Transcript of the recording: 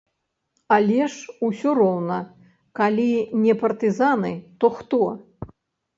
Але ж усё роўна, калі не партызаны, то хто?